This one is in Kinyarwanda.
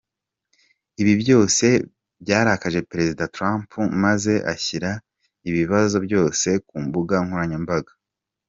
Ibi byose byarakaje Perezida Trump maze ashyira ibibazo byose ku mbuga nkoranyambaga.